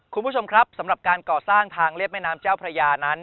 คุณผู้ชมครับสำหรับการก่อสร้างทางเรียบแม่น้ำเจ้าพระยานั้น